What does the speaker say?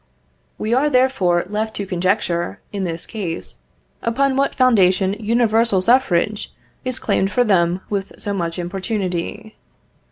We are therefore left to conjecture, in this case, upon what foundation universal suffrage is claimed for them with so much importunity.